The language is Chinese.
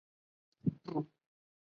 拉扎克德索西尼亚克。